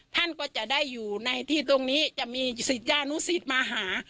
ท่านก็จะได้อยู่ในที่ตรงนี้จะมีศิษยานุสิตมาหา